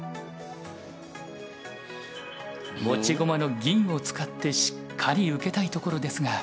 持ち駒の銀を使ってしっかり受けたいところですが。